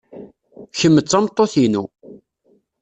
Kemm d tameṭṭut-inu.